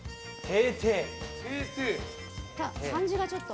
漢字が、ちょっと。